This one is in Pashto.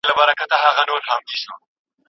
خپل کلتور باید د خپلې ژبې له لارې وساتو.